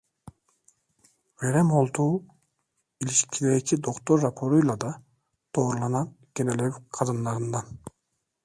Verem olduğu ilişikteki doktor raporuyla da doğrulanan genelev kadınlarından.